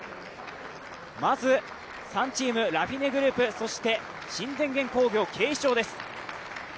まず３チーム、ラフィネグループ、新電元工業、警視庁です。